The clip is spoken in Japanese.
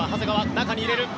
中に入れる。